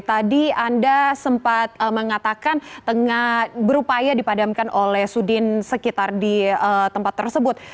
tadi anda sempat mengatakan tengah berupaya dipadamkan oleh sudin sekitar di tempat tersebut